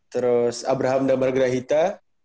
terus abraham damar grahita